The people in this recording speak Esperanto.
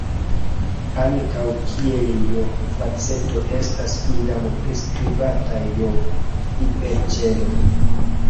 Ankaŭ, kiel "j"-faceto estas iam priskribata "j"-hiperĉelo.